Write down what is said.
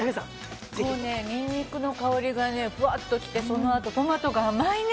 もうね、ニンニクの香りがね、ふわっと来て、そのあとトマトが甘いね。